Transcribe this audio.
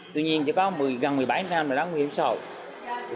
tuy nhiên chỉ có gần một mươi bảy năm là đáng hiểm xã hội